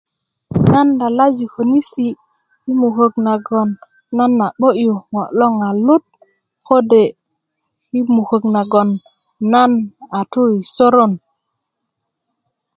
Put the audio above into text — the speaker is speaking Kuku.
nan lalaju känisi i mukäk nagon a 'bö'yu ŋo long a lut kode i mukäk nagon na a tó i soron